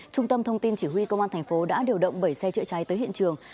trung tâm thông tin chỉ huy công an tp đã điều động bảy xe chữa cháy tới hiện trường